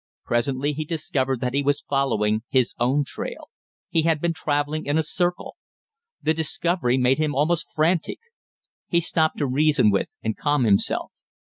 Presently he discovered that he was following his own trail; he had been travelling in a circle. The discovery made him almost frantic. He stopped to reason with and calm himself.